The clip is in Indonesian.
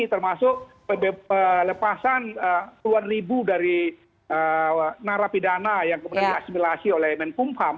termasuk lepasan tuan ribu dari narapidana yang kemudian diaksimilasi oleh menkumham